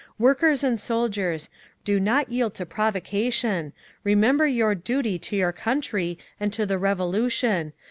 "WORKERS AND SOLDIERS! DO NOT YIELD TO PROVOCATION! REMEMBER YOUR DUTY TO YOUR COUNTRY AND TO THE REVOLUTION!